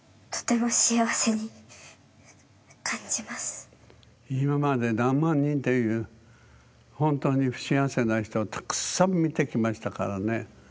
ほんとに今まで何万人という本当に不幸せな人をたくさん見てきましたからね。